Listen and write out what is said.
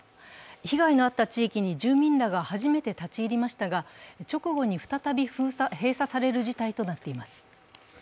被害のあった地域に住民らが初めて立ち入りましたが、直後に再び封鎖される事態となっています。